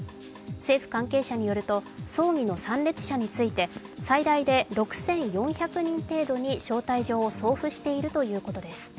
政府関係者によると、葬儀の参列者について最大で６４００人程度に招待状を送付しているということです。